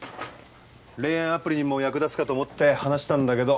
恋愛アプリにも役立つかと思って話したんだけど。